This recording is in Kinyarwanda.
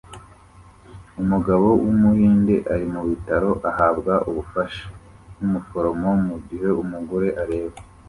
Umugabo wumuhinde ari mubitaro ahabwa ubufasha numuforomo mugihe umugore areba